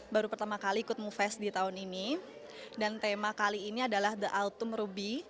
baru pertama kali ikut mufest di tahun ini dan tema kali ini adalah the altum ruby